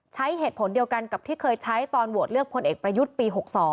ใช้เหตุผลเดียวกันกับที่เคยใช้ตอนโหวตเลือกพลเอกประยุทธ์ปี๖๒